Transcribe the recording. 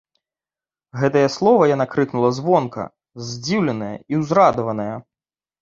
Гэтае слова яна крыкнула звонка, здзіўленая і ўзрадаваная.